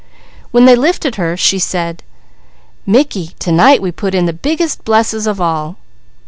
When they lifted her she said: "Mickey, to night we put in the biggest blesses of all."